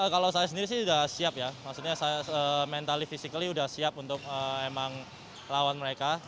kalau saya sendiri sih sudah siap ya maksudnya saya mentally physically sudah siap untuk emang lawan mereka